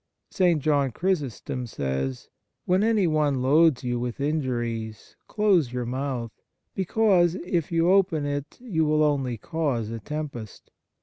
St. John Chrysostom says : "When anyone loads you with injuries, close your mouth, Because if you open it you will only cause a tempest.